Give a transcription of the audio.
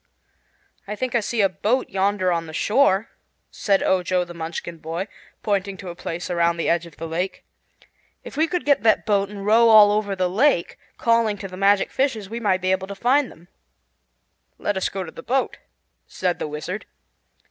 "I think I see a boat yonder on the shore," said Ojo the Munchkin boy, pointing to a place around the edge of the lake. "If we could get that boat and row all over the lake, calling to the magic fishes, we might be able to find them." "Let us go to the boat," said the Wizard.